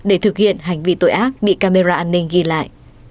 để thực hiện hành vi tội ác bị camera an ninh ghi lại